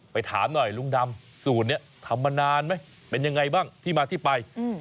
ถามหน่อยลุงดำสูตรนี้ทำมานานไหมเป็นยังไงบ้างที่มาที่ไป